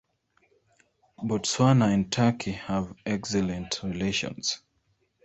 Botswana and Turkey have excellent relations.